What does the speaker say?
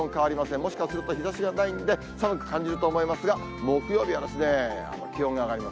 もしかすると日ざしがないんで寒く感じると思いますが、木曜日は気温が上がります。